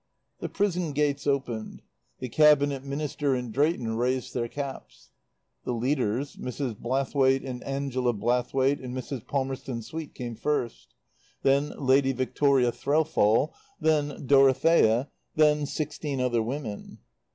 The prison gates opened. The Cabinet Minister and Drayton raised their caps. The leaders, Mrs. Blathwaite and Angela Blathwaite and Mrs. Palmerston Swete came first. Then Lady Victoria Threlfall. Then Dorothea. Then sixteen other women.